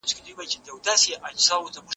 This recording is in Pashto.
دا نوی سینسر د زلزلې ټکانونه له مخکې څخه پېژني.